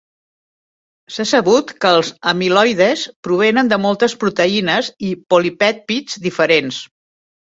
S'ha sabut que els amiloides provenen de moltes proteïnes i polipèptids diferents.